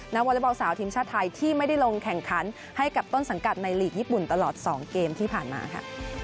วอเล็กบอลสาวทีมชาติไทยที่ไม่ได้ลงแข่งขันให้กับต้นสังกัดในหลีกญี่ปุ่นตลอด๒เกมที่ผ่านมาค่ะ